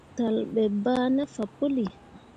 Talle ɓe bah ne fah puli.